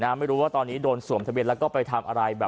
ไม่รู้ว่าตอนนี้โดนสวมทะเบียนแล้วก็ไปทำอะไร